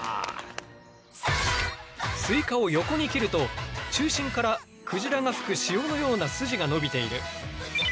スイカを横に切ると中心からクジラが吹く潮のようなスジが伸びている。